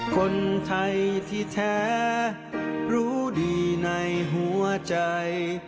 คนไทยที่แท้รู้ดีในหัวใจ